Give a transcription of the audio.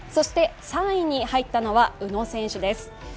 ３位に入ったのは宇野選手です。